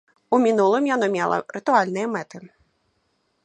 У мінулым яно мела рытуальныя мэты.